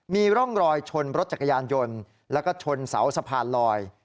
มีร่องรอยชนรถจักรยานยนต์แล้วก็ชนเสาสะพานลอย